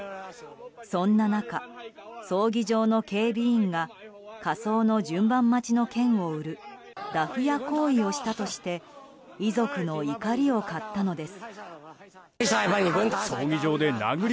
そんな中、葬儀場の警備員が火葬の順番待ちの券を売るダフ屋行為をしたとして遺族の怒りを買ったのです。